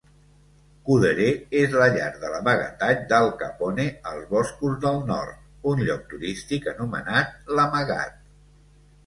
Couderay és la llar de l'amagatall d'Al Capone als boscos del nord, un lloc turístic anomenat "L'amagat".